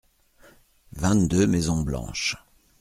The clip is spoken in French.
Vingt-deux maisons blanches.